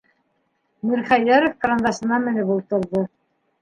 - Мирхәйҙәров кырандасына менеп ултырҙы.